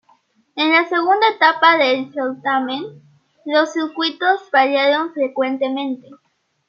En la segunda etapa del certamen, los circuitos variaron frecuentemente.